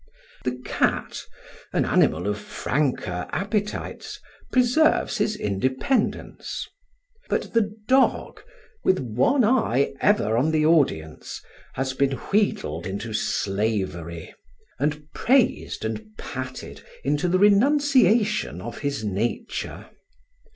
The cat, an animal of franker appetites, preserves his independence. But the dog, with one eye ever on the audience, has been wheedled into slavery, and praised and patted into the renunciation of his nature.